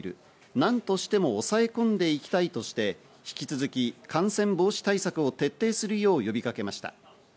なんとしても抑え込んでいきたいとして、引き続き感染防止対策を徹底するよう呼びかけました。